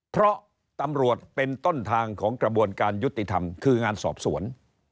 เพราะตำรวจเป็นต้นทางของกระบวนการยุติธรรมคืองานสอบสวน